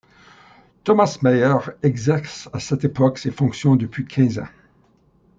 Tomas Maier exerce à cette époque ses fonctions depuis quinze ans.